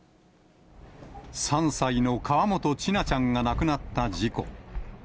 ３歳の河本千奈ちゃんが亡くなった事故。